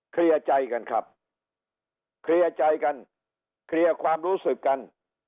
เคลียร์ใจกันครับเคลียร์ใจกันเคลียร์ความรู้สึกกัน